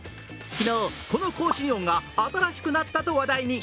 昨日、この更新音が新しくなったと話題に。